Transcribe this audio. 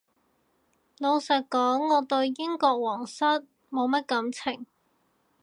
老實講我對英國皇室冇乜感情